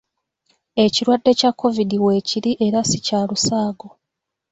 Ekirwadde kya Kovidi weekiri era si kya lusaago.